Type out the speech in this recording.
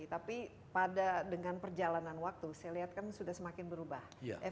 tapi pada dengan perjalanan waktu saya lihat kan sudah semakin berubah